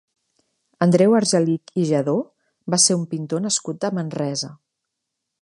Andreu Argelich i Lladó va ser un pintor nascut a Manresa.